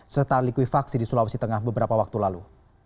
serta likuifaksi di sulawesi tengah beberapa waktu lalu